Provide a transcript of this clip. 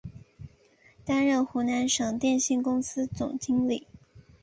担任湖南省电信公司总经理。